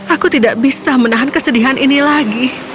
aku tidak bisa menahan kesedihan ini lagi